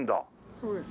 そうです。